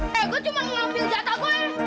hei gua cuma mau ngambil jatah gua